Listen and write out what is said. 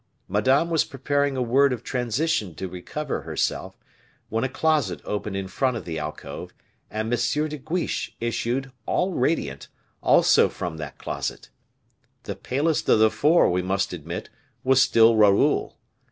Madame was preparing a word of transition to recover herself, when a closet opened in front of the alcove, and M. de Guiche issued, all radiant, also from that closet. The palest of the four, we must admit, was still Raoul.